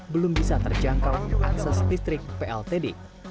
belum bisa terjangkau akses listrik pltd